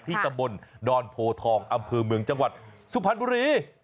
ตำบลดอนโพทองอำเภอเมืองจังหวัดสุพรรณบุรี